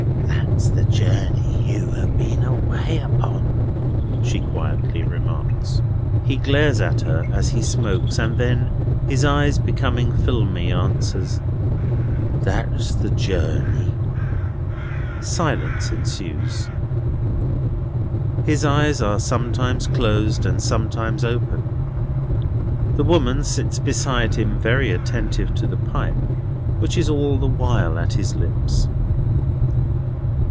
"That's the journey you have been away upon," she quietly remarks. He glares at her as he smokes; and then, his eyes becoming filmy, answers: "That's the journey." Silence ensues. His eyes are sometimes closed and sometimes open. The woman sits beside him, very attentive to the pipe, which is all the while at his lips.